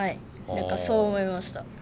何かそう思いました。